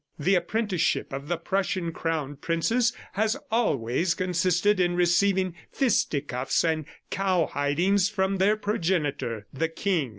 The apprenticeship of the Prussian Crown Princes has always consisted in receiving fisticuffs and cowhidings from their progenitor, the king.